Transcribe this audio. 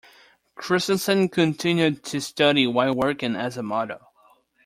Christensen continued to study while working as a model.